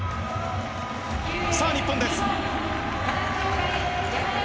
さあ日本です。